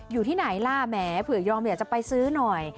อยู่ที่ไหนล่ะแหมเผื่อยอมอยากจะไปซื้อหน่อย